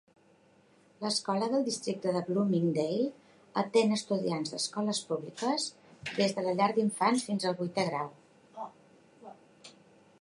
L"escola del districte de Bloomingdale atén estudiants d'escoles públiques des de la llar d'infants fins al vuitè grau.